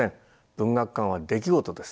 文学館は出来事です。